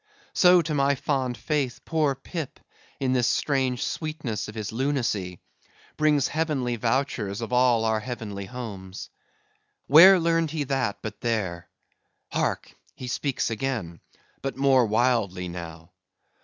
So, to my fond faith, poor Pip, in this strange sweetness of his lunacy, brings heavenly vouchers of all our heavenly homes. Where learned he that, but there?—Hark! he speaks again: but more wildly now."